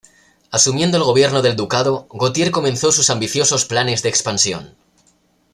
Asumiendo el gobierno del ducado, Gautier comenzó sus ambiciosos planes de expansión.